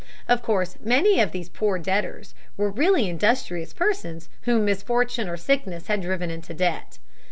Of course many of these poor debtors were really industrious persons whom misfortune or sickness had driven into debt.